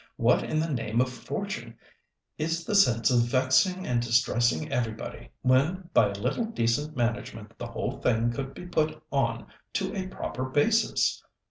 What in the name of fortune is the sense of vexing and distressing everybody, when by a little decent management the whole thing could be put on to a proper basis?